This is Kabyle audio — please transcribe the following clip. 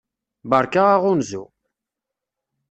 Beṛka aɣunzu!